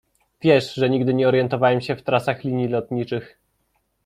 Wiesz, że nigdy nie orientowałem się w trasach linii lotniczych.